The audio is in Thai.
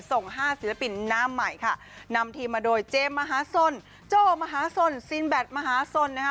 ห้าศิลปินหน้าใหม่ค่ะนำทีมมาโดยเจมส์มหาสนโจ้มหาสนซีนแบตมหาสนนะคะ